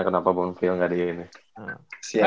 kenapa bonville gak diinik